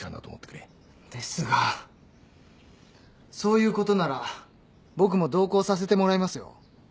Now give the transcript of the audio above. ですがそういうことなら僕も同行させてもらいますよ。